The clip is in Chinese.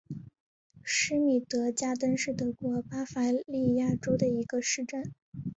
施米德加登是德国巴伐利亚州的一个市镇。